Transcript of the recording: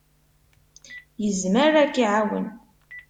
Yezmer ad k-iɛawen.